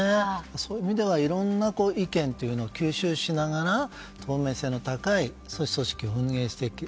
そういう意味ではいろんな意見を吸収しながら透明性の高い組織を運営していく。